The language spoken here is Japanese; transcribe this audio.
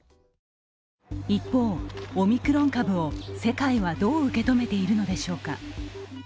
一方、オミクロン株を世界はどう受け止めているのでしょうか。